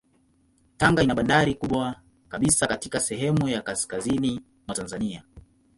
Tanga ina bandari kubwa kabisa katika sehemu ya kaskazini mwa Tanzania.